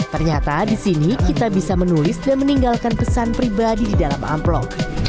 ternyata di sini kita bisa menulis dan meninggalkan pesan pribadi di dalam amplop